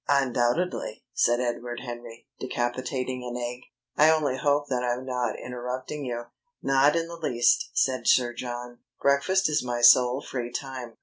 "Undoubtedly," said Edward Henry, decapitating an egg. "I only hope that I'm not interrupting you." "Not in the least," said Sir John. "Breakfast is my sole free time.